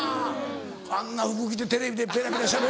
あんな服着てテレビでペラペラしゃべ。